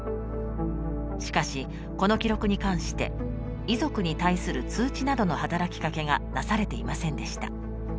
しかしこの記録に関して遺族に対する通知などの働きかけがなされていませんでした。